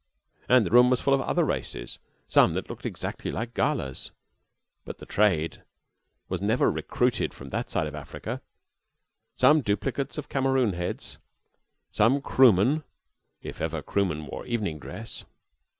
And the room was full of other races some that looked exactly like Gallas (but the trade was never recruited from that side of Africa), some duplicates of Cameroon heads, and some Kroomen, if ever Kroomen wore evening dress.